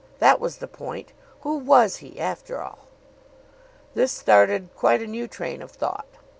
That was the point. Who was he, after all? This started quite a new train of thought.